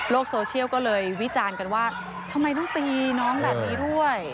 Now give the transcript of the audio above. โซเชียลก็เลยวิจารณ์กันว่าทำไมต้องตีน้องแบบนี้ด้วย